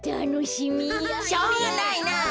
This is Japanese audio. しょうがないなあ。